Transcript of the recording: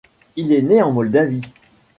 Il est né en Moldavie.